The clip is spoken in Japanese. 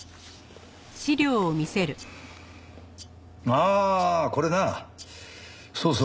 ああこれなそうそう。